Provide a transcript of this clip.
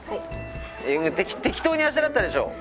適当にあしらったでしょ？